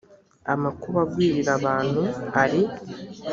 amakuba agwirira abantu ari